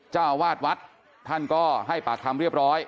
เจ้าวาดวัดท่านก็ให้ปากคำเรียบร้อย